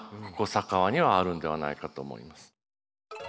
佐川にはあるんではないかと思います。